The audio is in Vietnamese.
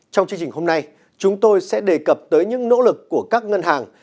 trong chương trình hôm nay chúng tôi sẽ đề cập tới những nỗ lực của các ngân hàng